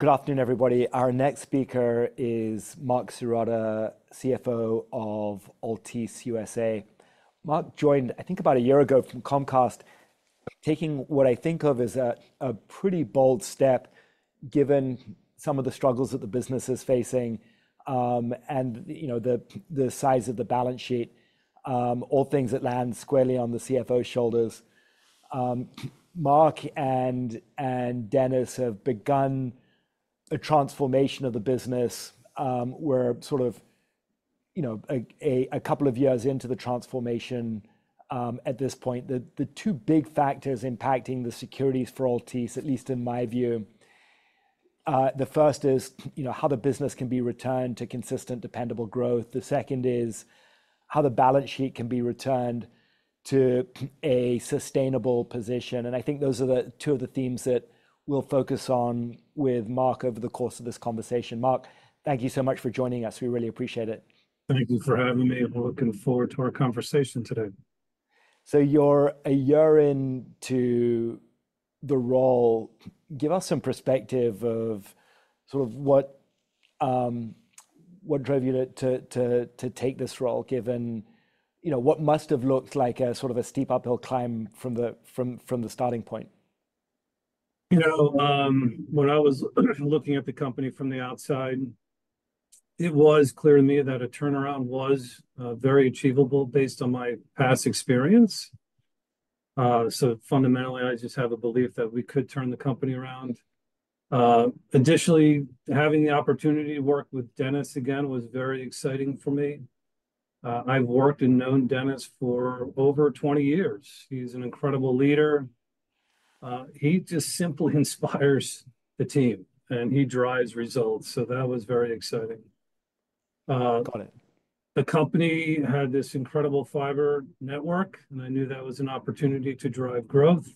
Good afternoon, everybody. Our next speaker is Marc Sirota, CFO of Altice USA. Marc joined, I think, about a year ago from Comcast, taking what I think of as a pretty bold step given some of the struggles that the business is facing and the size of the balance sheet, all things that land squarely on the CFO's shoulders. Marc and Dennis have begun a transformation of the business. We're sort of a couple of years into the transformation at this point. The two big factors impacting the securities for Altice, at least in my view, the first is how the business can be returned to consistent, dependable growth. The second is how the balance sheet can be returned to a sustainable position. I think those are the two of the themes that we'll focus on with Marc over the course of this conversation. Marc, thank you so much for joining us. We really appreciate it. Thank you for having me. I'm looking forward to our conversation today. You're a year in to the role. Give us some perspective of sort of what drove you to take this role given what must have looked like sort of a steep uphill climb from the starting point. When I was looking at the company from the outside, it was clear to me that a turnaround was very achievable based on my past experience. So fundamentally, I just have a belief that we could turn the company around. Additionally, having the opportunity to work with Dennis again was very exciting for me. I've worked and known Dennis for over 20 years. He's an incredible leader. He just simply inspires the team, and he drives results. So that was very exciting. The company had this incredible fiber network, and I knew that was an opportunity to drive growth.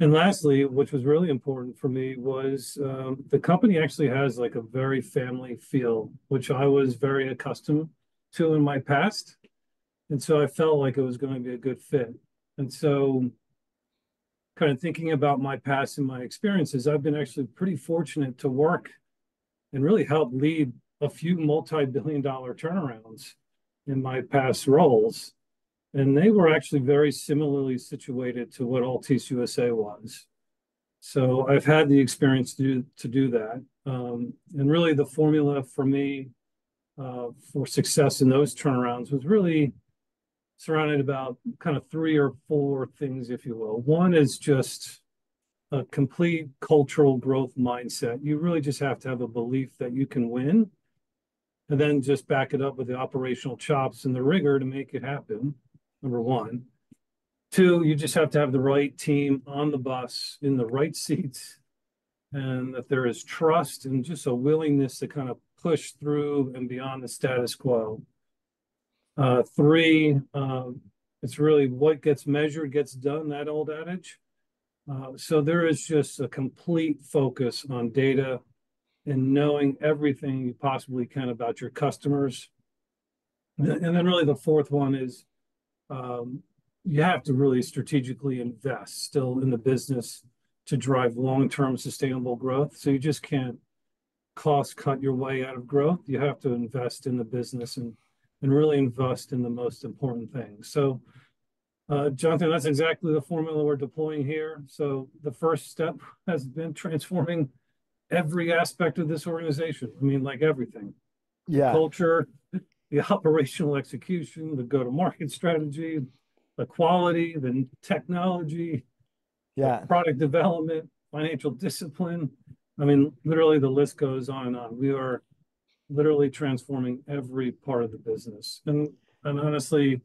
And lastly, which was really important for me, was the company actually has a very family feel, which I was very accustomed to in my past. And so I felt like it was going to be a good fit. And so, kind of thinking about my past and my experiences, I've been actually pretty fortunate to work and really help lead a few multi-billion dollar turnarounds in my past roles. And they were actually very similarly situated to what Altice USA was. So I've had the experience to do that. And really, the formula for me for success in those turnarounds was really surrounded about kind of three or four things, if you will. One is just a complete cultural growth mindset. You really just have to have a belief that you can win and then just back it up with the operational chops and the rigor to make it happen, number one. Two, you just have to have the right team on the bus in the right seats and that there is trust and just a willingness to kind of push through and beyond the status quo. Three, it's really what gets measured gets done, that old adage. So there is just a complete focus on data and knowing everything you possibly can about your customers. And then really, the fourth one is you have to really strategically invest still in the business to drive long-term sustainable growth. So you just can't cost-cut your way out of growth. You have to invest in the business and really invest in the most important things. So, Jonathan, that's exactly the formula we're deploying here. So the first step has been transforming every aspect of this organization. I mean, everything: culture, the operational execution, the go-to-market strategy, the quality, the technology, product development, financial discipline. I mean, literally, the list goes on and on. We are literally transforming every part of the business. And honestly,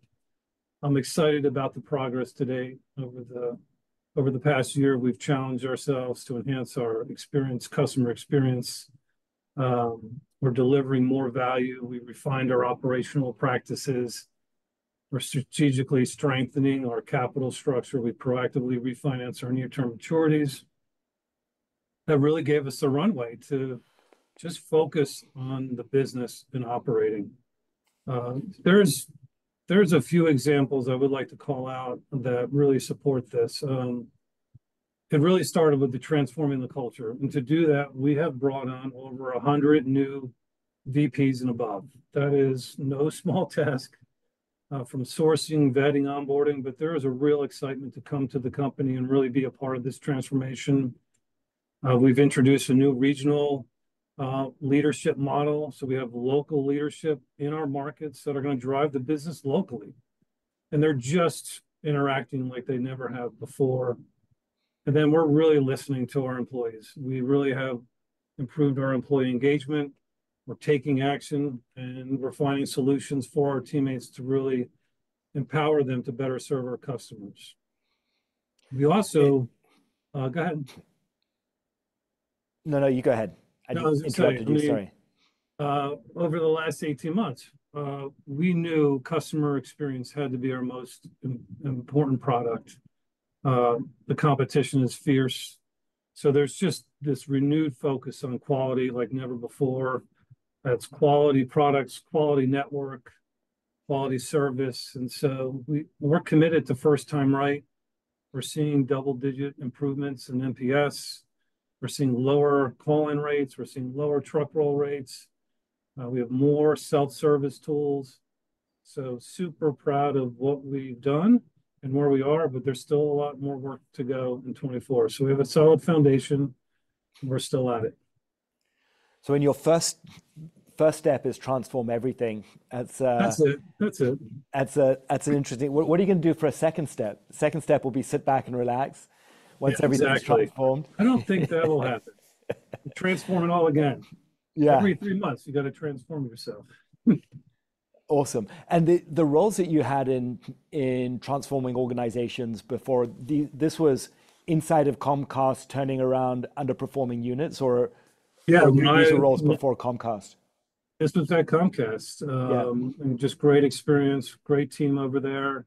I'm excited about the progress today. Over the past year, we've challenged ourselves to enhance our customer experience. We're delivering more value. We refined our operational practices. We're strategically strengthening our capital structure. We proactively refinance our near-term maturities. That really gave us a runway to just focus on the business and operating. There's a few examples I would like to call out that really support this. It really started with transforming the culture. To do that, we have brought on over 100 new VPs and above. That is no small task, from sourcing, vetting, onboarding. There is a real excitement to come to the company and really be a part of this transformation. We've introduced a new regional leadership model. We have local leadership in our markets that are going to drive the business locally. They're just interacting like they never have before. Then we're really listening to our employees. We really have improved our employee engagement. We're taking action, and we're finding solutions for our teammates to really empower them to better serve our customers. We also go ahead. No, no. You go ahead. I didn't interrupt you. Sorry. Over the last 18 months, we knew customer experience had to be our most important product. The competition is fierce. So there's just this renewed focus on quality like never before. That's quality products, quality network, quality service. And so we're committed to first-time right. We're seeing double-digit improvements in NPS. We're seeing lower call-in rates. We're seeing lower truck roll rates. We have more self-service tools. So super proud of what we've done and where we are, but there's still a lot more work to go in 2024. So we have a solid foundation, and we're still at it. So, your first step is transform everything. That's an interesting what are you going to do for a second step? Second step will be sit back and relax once everything's transformed. I don't think that will happen. Transform it all again. Every three months, you got to transform yourself. Awesome. And the roles that you had in transforming organizations before, this was inside of Comcast turning around underperforming units or in user roles before Comcast? This was at Comcast. Just great experience, great team over there.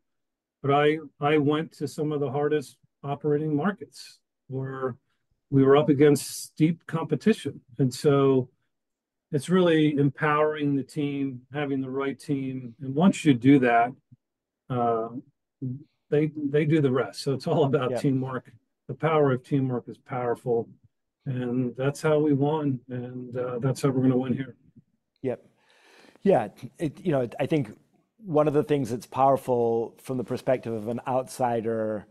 But I went to some of the hardest operating markets where we were up against steep competition. And so it's really empowering the team, having the right team. And once you do that, they do the rest. So it's all about teamwork. The power of teamwork is powerful. And that's how we won. And that's how we're going to win here. Yep. Yeah. I think one of the things that's powerful from the perspective of an outsider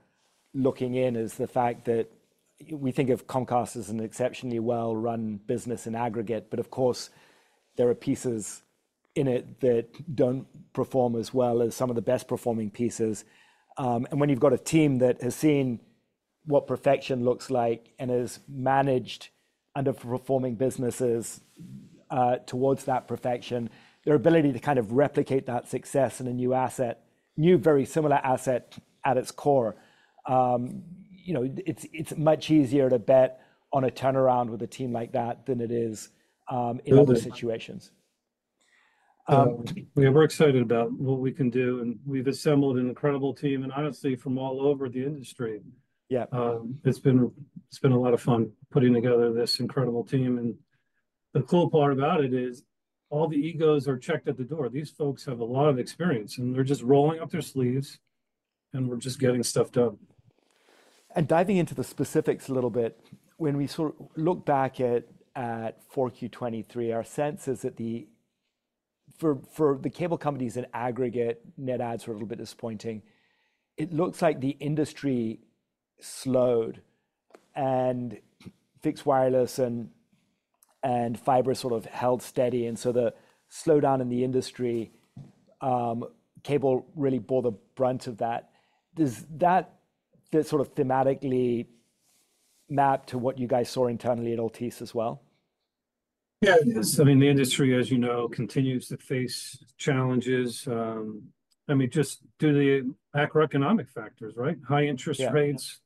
looking in is the fact that we think of Comcast as an exceptionally well-run business in aggregate. But of course, there are pieces in it that don't perform as well as some of the best-performing pieces. And when you've got a team that has seen what perfection looks like and has managed underperforming businesses towards that perfection, their ability to kind of replicate that success in a new very similar asset at its core, it's much easier to bet on a turnaround with a team like that than it is in other situations. We are very excited about what we can do. We've assembled an incredible team. Honestly, from all over the industry, it's been a lot of fun putting together this incredible team. The cool part about it is all the egos are checked at the door. These folks have a lot of experience, and they're just rolling up their sleeves, and we're just getting stuff done. Diving into the specifics a little bit, when we sort of look back at 4Q 2023, our sense is that for the cable companies in aggregate, net adds are a little bit disappointing. It looks like the industry slowed, and fixed wireless and fiber sort of held steady. So the slowdown in the industry, cable really bore the brunt of that. Does that sort of thematically map to what you guys saw internally at Altice as well? Yeah, it is. I mean, the industry, as you know, continues to face challenges. I mean, just due to the macroeconomic factors, right? High interest rates,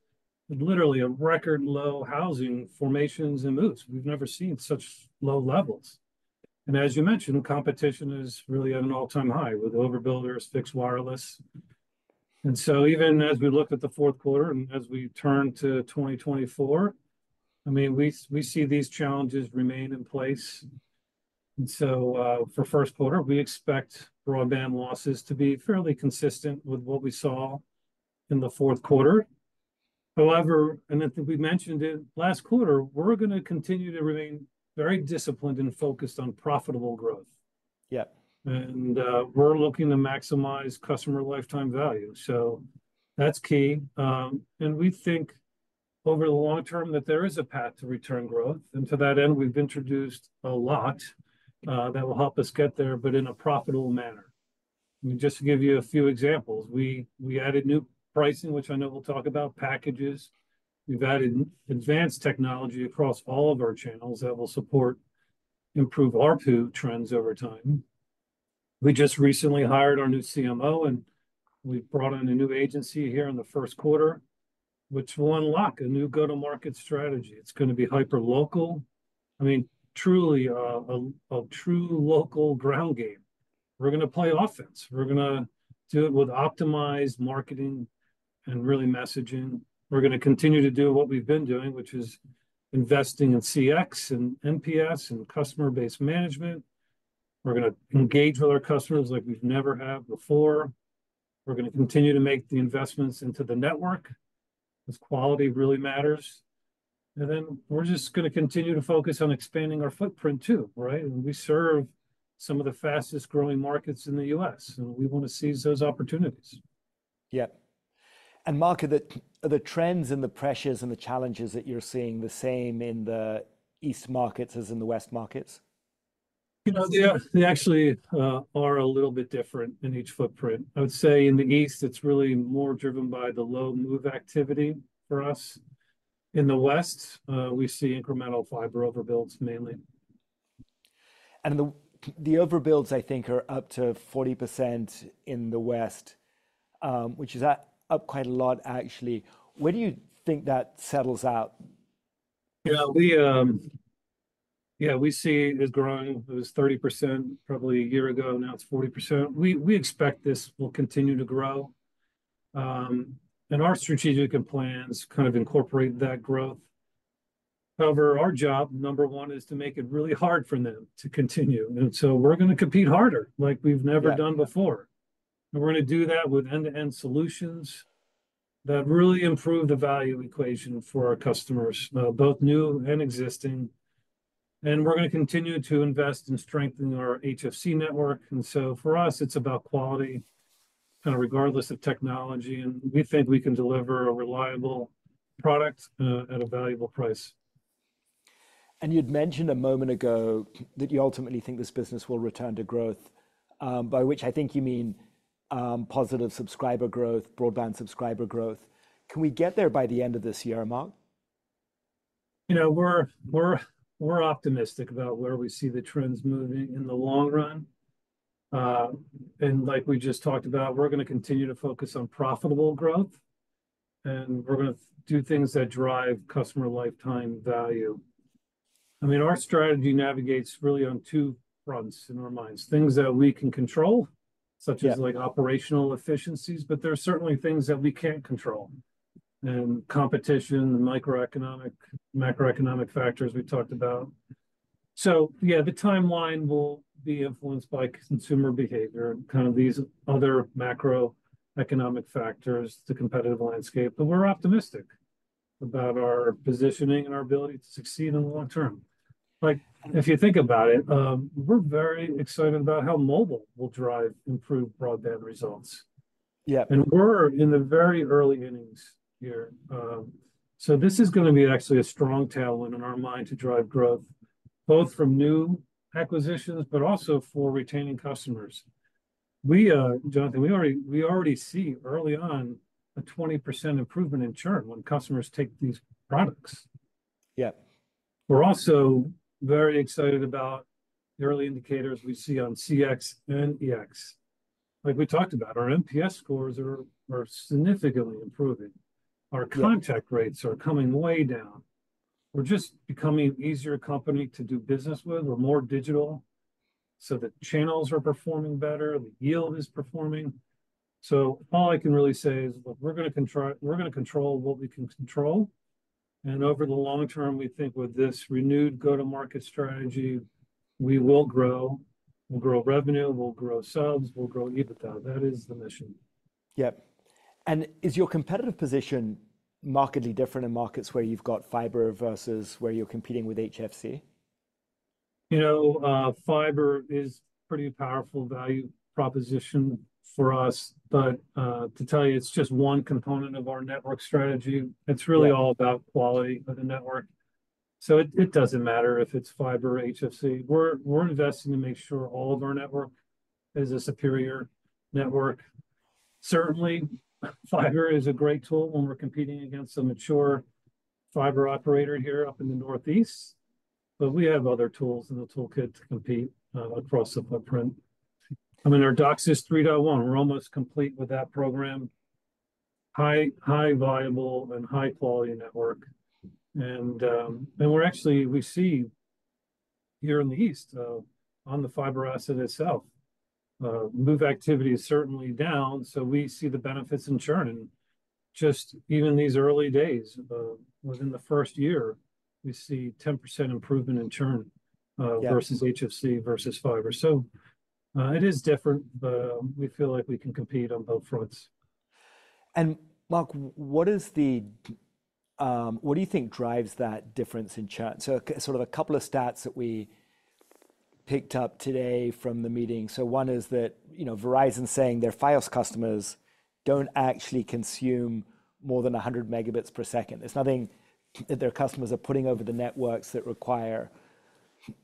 literally a record low housing formations and moves. We've never seen such low levels. And as you mentioned, competition is really at an all-time high with overbuilders, fixed wireless. And so even as we look at the fourth quarter and as we turn to 2024, I mean, we see these challenges remain in place. And so for first quarter, we expect broadband losses to be fairly consistent with what we saw in the fourth quarter. However, and I think we mentioned it last quarter, we're going to continue to remain very disciplined and focused on profitable growth. And we're looking to maximize customer lifetime value. So that's key. And we think over the long term that there is a path to return growth. And to that end, we've introduced a lot that will help us get there, but in a profitable manner. I mean, just to give you a few examples, we added new pricing, which I know we'll talk about, packages. We've added advanced technology across all of our channels that will support improve ARPU trends over time. We just recently hired our new CMO, and we brought on a new agency here in the first quarter, which will unlock a new go-to-market strategy. It's going to be hyper-local, I mean, truly a true local ground game. We're going to play offense. We're going to do it with optimized marketing and really messaging. We're going to continue to do what we've been doing, which is investing in CX and NPS and customer base management. We're going to engage with our customers like we've never had before. We're going to continue to make the investments into the network because quality really matters. Then we're just going to continue to focus on expanding our footprint too, right? We serve some of the fastest-growing markets in the U.S., and we want to seize those opportunities. Yep. Marc, are the trends and the pressures and the challenges that you're seeing the same in the East markets as in the West markets? They actually are a little bit different in each footprint. I would say in the East, it's really more driven by the low move activity for us. In the West, we see incremental fiber overbuilds mainly. And the overbuilds, I think, are up to 40% in the West, which is up quite a lot, actually. Where do you think that settles out? Yeah, we see it growing. It was 30% probably a year ago. Now it's 40%. We expect this will continue to grow. And our strategic plans kind of incorporate that growth. However, our job, number one, is to make it really hard for them to continue. And so we're going to compete harder like we've never done before. And we're going to do that with end-to-end solutions that really improve the value equation for our customers, both new and existing. And we're going to continue to invest in strengthening our HFC network. And so for us, it's about quality, kind of regardless of technology. And we think we can deliver a reliable product at a valuable price. You'd mentioned a moment ago that you ultimately think this business will return to growth, by which I think you mean positive subscriber growth, broadband subscriber growth. Can we get there by the end of this year, Marc? We're optimistic about where we see the trends moving in the long run. Like we just talked about, we're going to continue to focus on profitable growth, and we're going to do things that drive customer lifetime value. I mean, our strategy navigates really on two fronts in our minds: things that we can control, such as operational efficiencies, but there are certainly things that we can't control, and competition, the macroeconomic factors we talked about. Yeah, the timeline will be influenced by consumer behavior and kind of these other macroeconomic factors, the competitive landscape. But we're optimistic about our positioning and our ability to succeed in the long term. If you think about it, we're very excited about how mobile will drive improved broadband results. We're in the very early innings here. So this is going to be actually a strong tailwind in our mind to drive growth, both from new acquisitions but also for retaining customers. Jonathan, we already see early on a 20% improvement in churn when customers take these products. We're also very excited about the early indicators we see on CX and EX. Like we talked about, our NPS scores are significantly improving. Our contact rates are coming way down. We're just becoming an easier company to do business with. We're more digital. So the channels are performing better. The yield is performing. So all I can really say is, look, we're going to control what we can control. And over the long term, we think with this renewed go-to-market strategy, we will grow. We'll grow revenue. We'll grow subs. We'll grow EBITDA. That is the mission. Yep. Is your competitive position markedly different in markets where you've got fiber versus where you're competing with HFC? Fiber is a pretty powerful value proposition for us. But to tell you, it's just one component of our network strategy. It's really all about quality of the network. So it doesn't matter if it's fiber or HFC. We're investing to make sure all of our network is a superior network. Certainly, fiber is a great tool when we're competing against a mature fiber operator here up in the Northeast. But we have other tools in the toolkit to compete across the footprint. I mean, our DOCSIS 3.1. We're almost complete with that program: high-value and high-quality network. And we see here in the East, on the fiber asset itself, move activity is certainly down. So we see the benefits in churn. And just even these early days, within the first year, we see 10% improvement in churn versus HFC versus fiber. So it is different, but we feel like we can compete on both fronts. Marc, what do you think drives that difference in churn? Sort of a couple of stats that we picked up today from the meeting. One is that Verizon is saying their Fios customers don't actually consume more than 100 Mbps. There's nothing that their customers are putting over the networks that require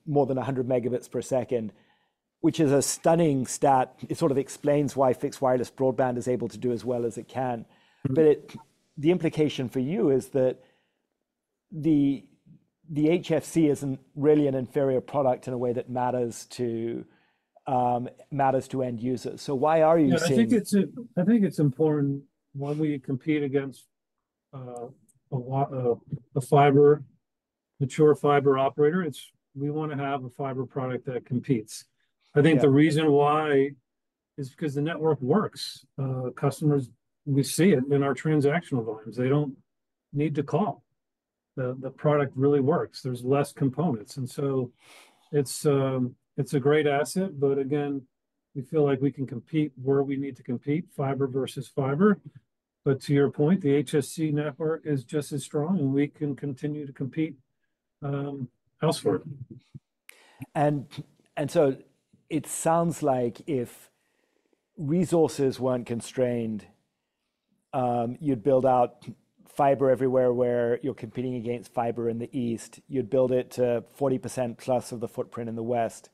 more than 100 Mbps, which is a stunning stat. It sort of explains why fixed wireless broadband is able to do as well as it can. But the implication for you is that the HFC isn't really an inferior product in a way that matters to end users. Why are you saying that? I think it's important when we compete against a mature fiber operator, we want to have a fiber product that competes. I think the reason why is because the network works. We see it in our transactional volumes. They don't need to call. The product really works. There's less components. And so it's a great asset. But again, we feel like we can compete where we need to compete, fiber versus fiber. But to your point, the HFC network is just as strong, and we can continue to compete elsewhere. And so it sounds like if resources weren't constrained, you'd build out fiber everywhere where you're competing against fiber in the East. You'd build it to 40%+ of the footprint in the West.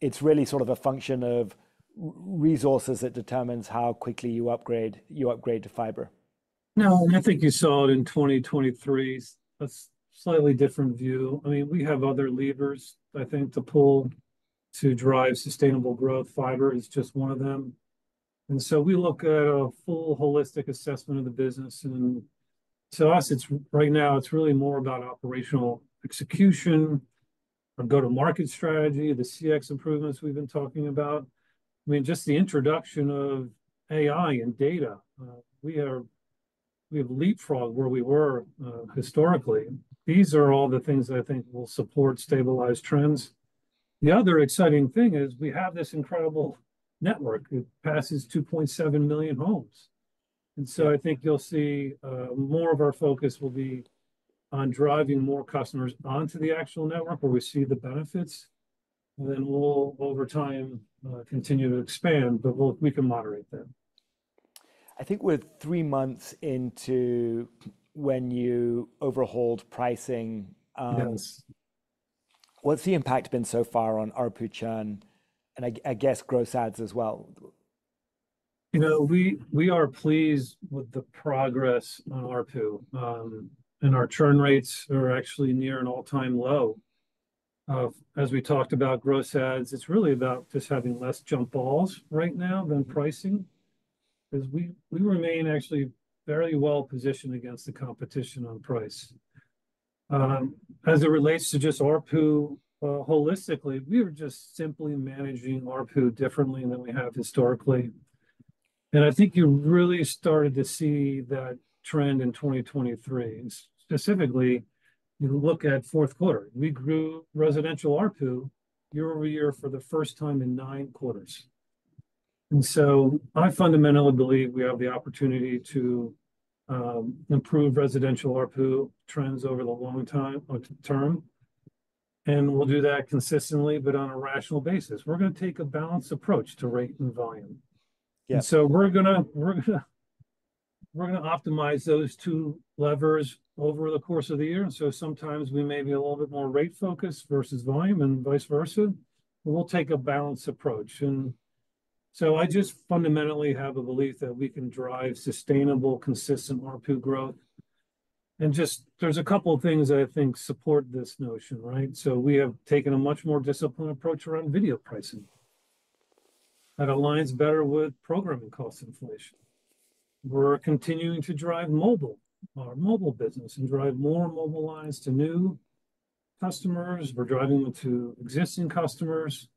It's really sort of a function of resources that determines how quickly you upgrade to fiber. No, and I think you saw it in 2023. A slightly different view. I mean, we have other levers, I think, to pull to drive sustainable growth. Fiber is just one of them. And so we look at a full, holistic assessment of the business. And to us, right now, it's really more about operational execution, our go-to-market strategy, the CX improvements we've been talking about. I mean, just the introduction of AI and data. We have leapfrogged where we were historically. These are all the things that I think will support stabilized trends. The other exciting thing is we have this incredible network. It passes 2.7 million homes. And so I think you'll see more of our focus will be on driving more customers onto the actual network where we see the benefits. And then we'll, over time, continue to expand. But we can moderate them. I think we're three months into when you overhauled pricing. What's the impact been so far on ARPU churn and, I guess, gross ads as well? We are pleased with the progress on ARPU. Our churn rates are actually near an all-time low. As we talked about gross ads, it's really about just having less jump balls right now than pricing because we remain actually very well positioned against the competition on price. As it relates to just ARPU holistically, we were just simply managing ARPU differently than we have historically. I think you really started to see that trend in 2023. Specifically, you look at fourth quarter. We grew residential ARPU year over year for the first time in nine quarters. So I fundamentally believe we have the opportunity to improve residential ARPU trends over the long term. We'll do that consistently, but on a rational basis. We're going to take a balanced approach to rate and volume. We're going to optimize those two levers over the course of the year. Sometimes we may be a little bit more rate-focused versus volume and vice versa. But we'll take a balanced approach. I just fundamentally have a belief that we can drive sustainable, consistent ARPU growth. There's a couple of things that I think support this notion, right? We've taken a much more disciplined approach around video pricing that aligns better with programming cost inflation. We're continuing to drive our mobile business and drive more mobilized to new customers. We're driving them to existing customers.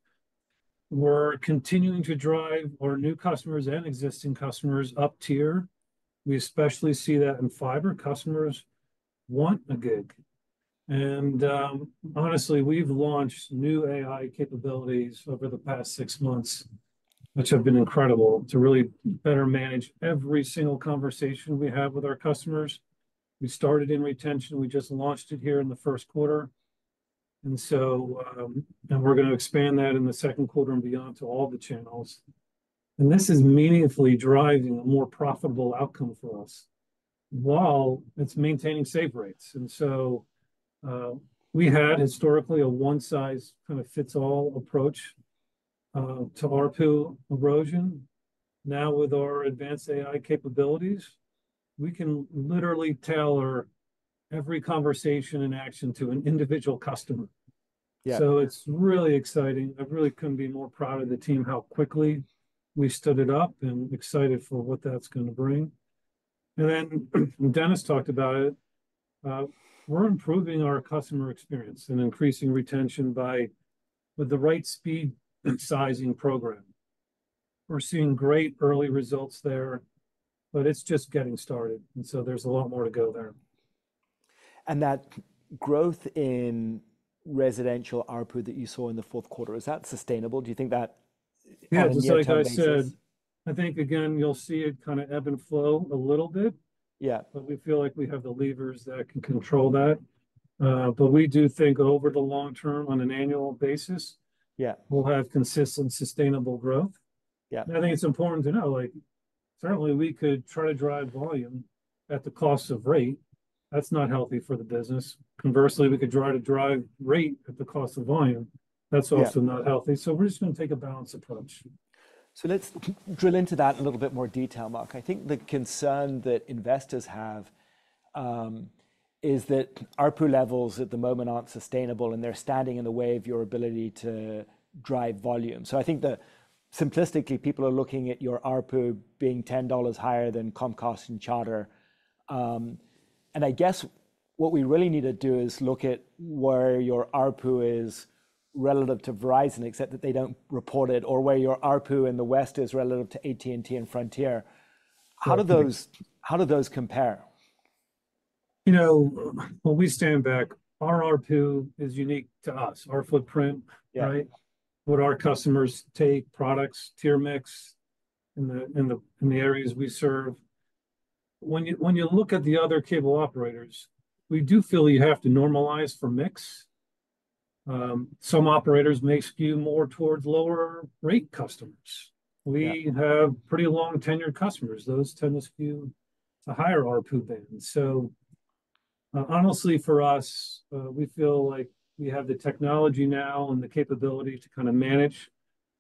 We're continuing to drive our new customers and existing customers up tier. We especially see that in fiber. Customers want a gig. Honestly, we've launched new AI capabilities over the past six months, which have been incredible, to really better manage every single conversation we have with our customers. We started in retention. We just launched it here in the first quarter. We're going to expand that in the second quarter and beyond to all the channels. This is meaningfully driving a more profitable outcome for us while it's maintaining save rates. So we had historically a one-size-kind-of-fits-all approach to ARPU erosion. Now, with our advanced AI capabilities, we can literally tailor every conversation and action to an individual customer. It's really exciting. I really couldn't be more proud of the team, how quickly we stood it up, and excited for what that's going to bring. Then Dennis talked about it. We're improving our customer experience and increasing retention with the right speed sizing program. We're seeing great early results there, but it's just getting started. And so there's a lot more to go there. That growth in residential ARPU that you saw in the fourth quarter, is that sustainable? Do you think that? Yeah, just like I said, I think, again, you'll see it kind of ebb and flow a little bit. But we feel like we have the levers that can control that. But we do think, over the long term, on an annual basis, we'll have consistent, sustainable growth. And I think it's important to know, certainly, we could try to drive volume at the cost of rate. That's not healthy for the business. Conversely, we could try to drive rate at the cost of volume. That's also not healthy. So we're just going to take a balanced approach. So let's drill into that in a little bit more detail, Marc. I think the concern that investors have is that ARPU levels at the moment aren't sustainable, and they're standing in the way of your ability to drive volume. So I think, simplistically, people are looking at your ARPU being $10 higher than Comcast and Charter. And I guess what we really need to do is look at where your ARPU is relative to Verizon, except that they don't report it, or where your ARPU in the West is relative to AT&T and Frontier. How do those compare? Well, we stand back. Our ARPU is unique to us, our footprint, right? What our customers take, products, tier mix, in the areas we serve. When you look at the other cable operators, we do feel you have to normalize for mix. Some operators may skew more towards lower-rate customers. We have pretty long-tenured customers. Those tend to skew to higher ARPU bands. So honestly, for us, we feel like we have the technology now and the capability to kind of manage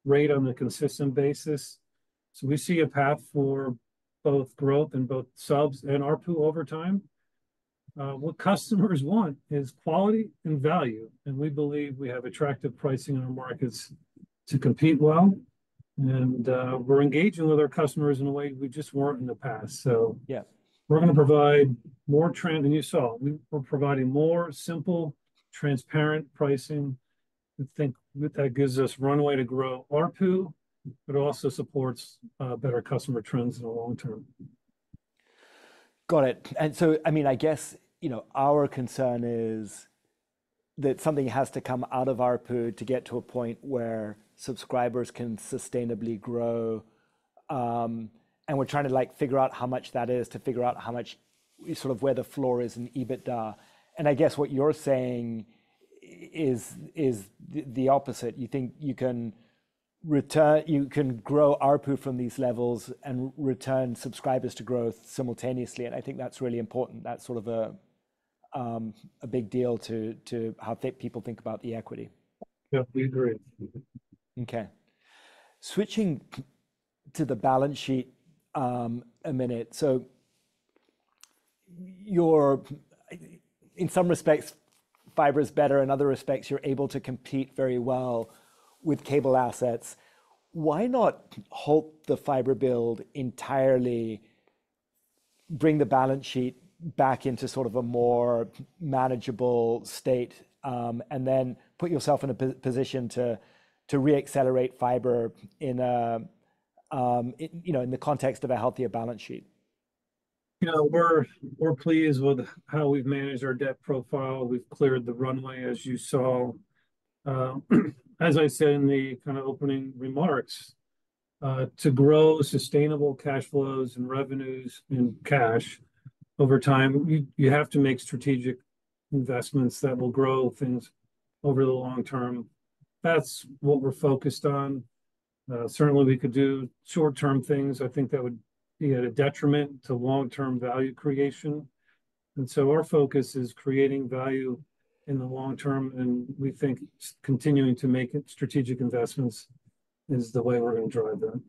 rate on a consistent basis. So we see a path for both growth and both subs and ARPU over time. What customers want is quality and value. We believe we have attractive pricing in our markets to compete well. We're engaging with our customers in a way we just weren't in the past. So we're going to provide more trend than you saw. We're providing more simple, transparent pricing. We think that gives us runway to grow ARPU, but it also supports better customer trends in the long term. Got it. And so, I mean, I guess our concern is that something has to come out of RPU to get to a point where subscribers can sustainably grow. And we're trying to figure out how much that is to figure out sort of where the floor is in EBITDA. And I guess what you're saying is the opposite. You think you can grow RPU from these levels and return subscribers to growth simultaneously. And I think that's really important. That's sort of a big deal to how people think about the equity. Yeah, we agree. Okay. Switching to the balance sheet a minute. So in some respects, fiber is better. In other respects, you're able to compete very well with cable assets. Why not halt the fiber build entirely, bring the balance sheet back into sort of a more manageable state, and then put yourself in a position to reaccelerate fiber in the context of a healthier balance sheet? We're pleased with how we've managed our debt profile. We've cleared the runway, as you saw. As I said in the kind of opening remarks, to grow sustainable cash flows and revenues in cash over time, you have to make strategic investments that will grow things over the long term. That's what we're focused on. Certainly, we could do short-term things. I think that would be at a detriment to long-term value creation. And so our focus is creating value in the long term. And we think continuing to make strategic investments is the way we're going to drive that.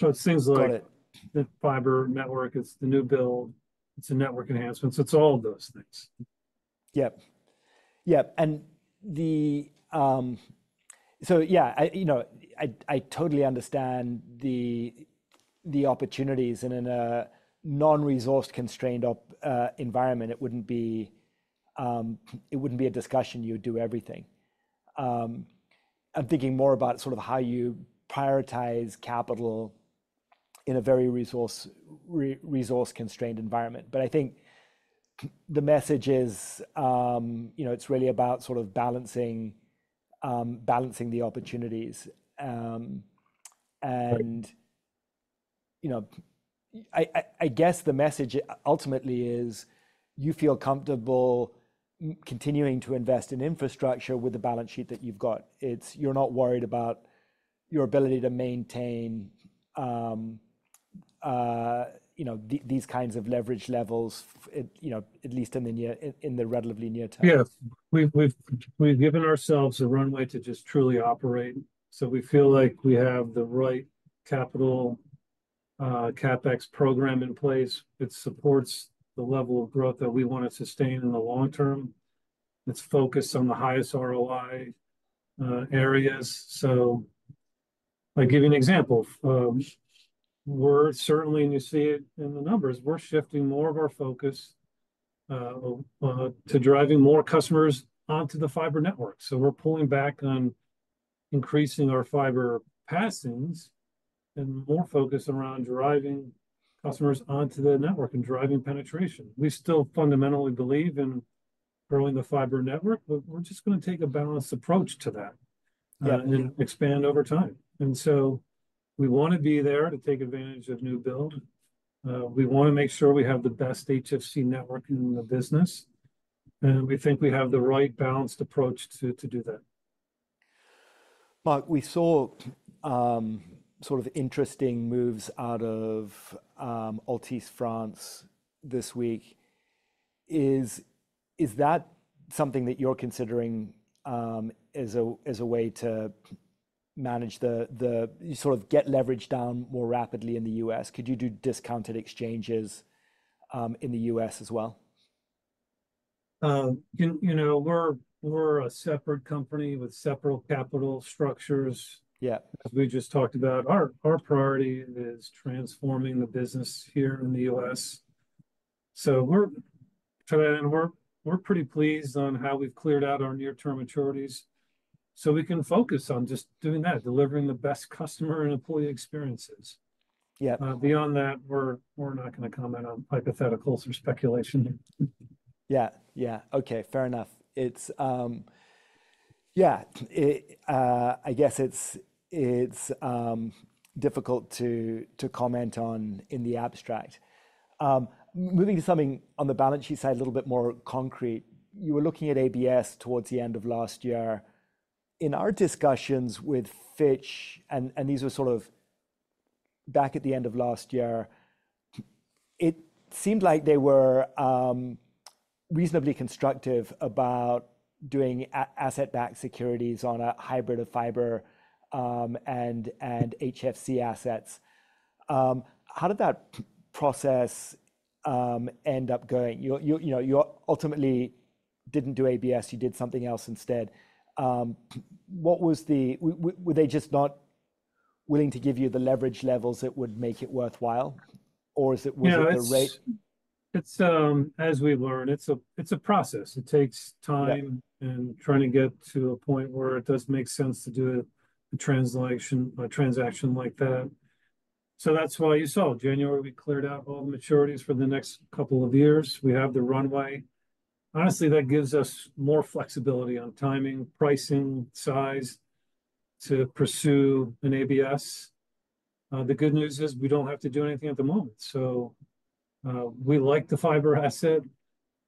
So it's things like the fiber network. It's the new build. It's a network enhancement. So it's all of those things. Yep. Yep. And so, yeah, I totally understand the opportunities. And in a resource-constrained environment, it wouldn't be a discussion you would do everything. I'm thinking more about sort of how you prioritize capital in a very resource-constrained environment. But I think the message is it's really about sort of balancing the opportunities. And I guess the message, ultimately, is you feel comfortable continuing to invest in infrastructure with the balance sheet that you've got. You're not worried about your ability to maintain these kinds of leverage levels, at least in the relatively near term. Yeah. We've given ourselves a runway to just truly operate. So we feel like we have the right capital CapEx program in place that supports the level of growth that we want to sustain in the long term. It's focused on the highest ROI areas. So I'll give you an example. And you see it in the numbers. We're shifting more of our focus to driving more customers onto the fiber network. So we're pulling back on increasing our fiber passings and more focus around driving customers onto the network and driving penetration. We still fundamentally believe in growing the fiber network, but we're just going to take a balanced approach to that and expand over time. And so we want to be there to take advantage of new build. We want to make sure we have the best HFC network in the business. We think we have the right balanced approach to do that. Marc, we saw sort of interesting moves out of Altice France this week. Is that something that you're considering as a way to manage the sort of get leverage down more rapidly in the U.S.? Could you do discounted exchanges in the U.S. as well? We're a separate company with separate capital structures, as we just talked about. Our priority is transforming the business here in the U.S. So we're pretty pleased on how we've cleared out our near-term maturities. So we can focus on just doing that, delivering the best customer and employee experiences. Beyond that, we're not going to comment on hypotheticals or speculation. Yeah. Yeah. Okay. Fair enough. Yeah. I guess it's difficult to comment on in the abstract. Moving to something on the balance sheet side, a little bit more concrete, you were looking at ABS towards the end of last year. In our discussions with Fitch, and these were sort of back at the end of last year, it seemed like they were reasonably constructive about doing asset-backed securities on a hybrid of fiber and HFC assets. How did that process end up going? You ultimately didn't do ABS. You did something else instead. Were they just not willing to give you the leverage levels that would make it worthwhile, or was it the rate? As we've learned, it's a process. It takes time in trying to get to a point where it does make sense to do a transaction like that. So that's why you saw, January, we cleared out all the maturities for the next couple of years. We have the runway. Honestly, that gives us more flexibility on timing, pricing, size to pursue an ABS. The good news is we don't have to do anything at the moment. So we like the fiber asset.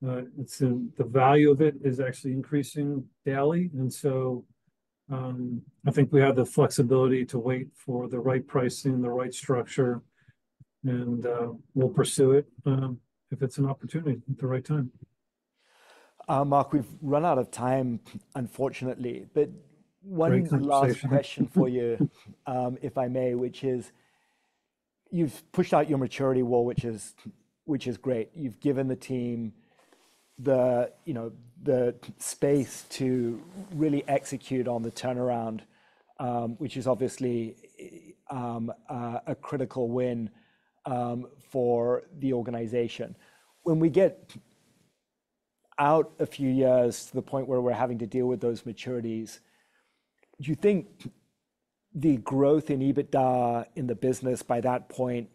The value of it is actually increasing daily. And so I think we have the flexibility to wait for the right pricing, the right structure, and we'll pursue it if it's an opportunity at the right time. Marc, we've run out of time, unfortunately. But one last question for you, if I may, which is you've pushed out your maturity wall, which is great. You've given the team the space to really execute on the turnaround, which is obviously a critical win for the organization. When we get out a few years to the point where we're having to deal with those maturities, do you think the growth in EBITDA in the business by that point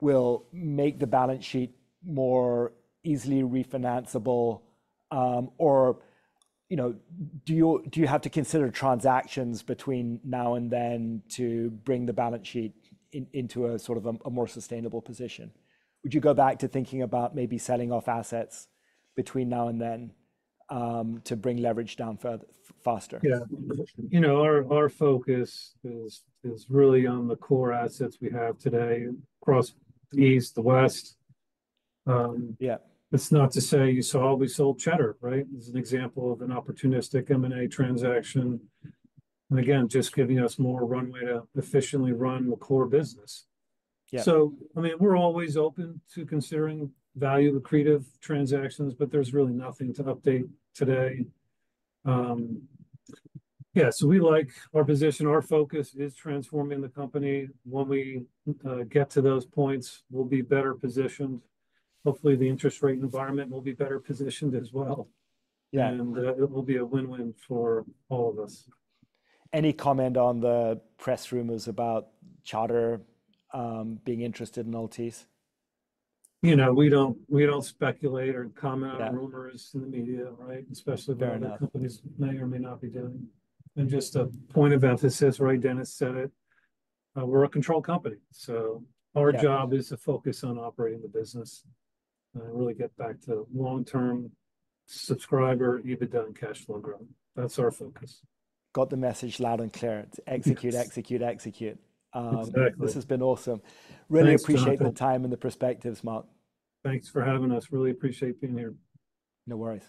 will make the balance sheet more easily refinanceable? Or do you have to consider transactions between now and then to bring the balance sheet into sort of a more sustainable position? Would you go back to thinking about maybe selling off assets between now and then to bring leverage down faster? Yeah. Our focus is really on the core assets we have today across the east, the west. It's not to say you saw we sold Cheddar, right? It's an example of an opportunistic M&A transaction. And again, just giving us more runway to efficiently run the core business. So, I mean, we're always open to considering value-accretive transactions, but there's really nothing to update today. Yeah. So we like our position. Our focus is transforming the company. When we get to those points, we'll be better positioned. Hopefully, the interest rate environment will be better positioned as well. And it will be a win-win for all of us. Any comment on the press rumors about Charter being interested in Altice? We don't speculate or comment on rumors in the media, right, especially what the companies may or may not be doing. Just a point of emphasis, right, Dennis said it. We're a controlled company. Our job is to focus on operating the business and really get back to long-term subscriber EBITDA and cash flow growth. That's our focus. Got the message loud and clear. Execute, execute, execute. This has been awesome. Really appreciate the time and the perspectives, Marc. Thanks for having us. Really appreciate being here. No worries.